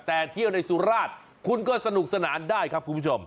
แต่เที่ยวในสุราชคุณก็สนุกสนานได้ครับคุณผู้ชม